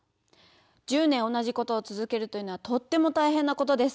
１０年同じことを続けるというのはとっても大変なことです。